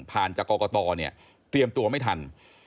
ผ่านจากกรกตรเตรียมตัวไม่ทัน